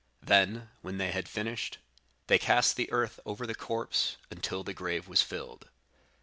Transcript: Then, when they had finished, they cast the earth over the corpse, until the grave was filled.